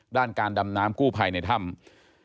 ด้านการดำน้ำกู้ภัยในถ้ำ